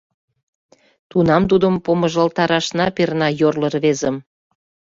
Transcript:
— Тунам тудым помыжалтарашна перна, йорло рвезым.